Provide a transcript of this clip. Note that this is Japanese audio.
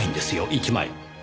１枚。